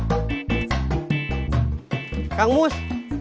ada kang mus